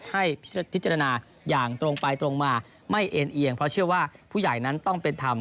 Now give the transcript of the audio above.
ให้พิจารณาอย่างตรงไปตรงมาไม่เอ็นเอียงเพราะเชื่อว่าผู้ใหญ่นั้นต้องเป็นธรรม